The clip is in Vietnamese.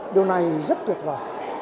điều này rất tuyệt vời